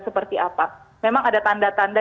seperti apa memang ada tanda tanda